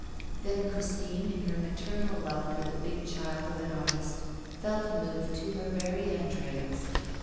Then Christine, in her maternal love for that big child of an artist, felt moved to her very entrails.